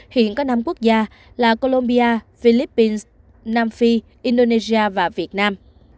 hiện có năm quốc gia là colombia philippines nam phi indonesia và việt nam